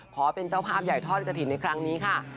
ขอเป็นเจ้าภาพใหญ่ทอดกระถิ่นในครั้งนี้ค่ะ